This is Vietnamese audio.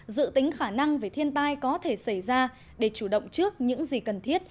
dự tính khả năng về thiên tai có thể xảy ra để chủ động trước những gì cần thiết